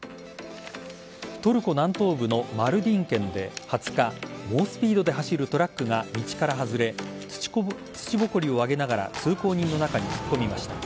トルコ南東部のマルディン県で２０日猛スピードで走るトラックが道から外れ土ぼこりを上げながら通行人の中に突っ込みました。